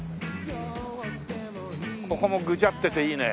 ここもぐちゃってていいね。